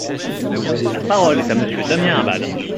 La parole est à Monsieur Damien Abad.